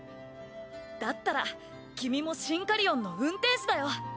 だったら君もシンカリオンの運転士だよ。